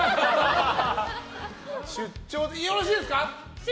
出張でよろしいですか？